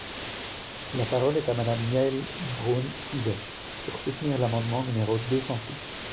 La parole est à Madame Yaël Braun-Pivet, pour soutenir l’amendement numéro deux cent six.